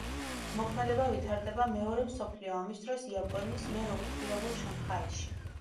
მოქმედება ვითარდება მეორე მსოფლიო ომის დროს იაპონიის მიერ ოკუპირებულ შანხაიში.